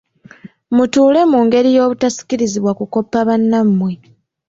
Mutuule mu ngeri y'obutasikirizibwa kukopa bannammwe.